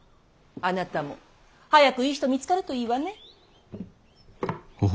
あなたも早くいい人見つかるといいわね。